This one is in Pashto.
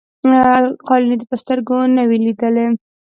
قالیني په سترګو نه وې لیدلي.